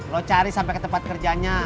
lo cari sampai ke tempat kerjanya